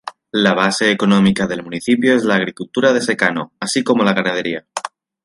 La base económica del municipio es la agricultura de secano, así como la ganadería.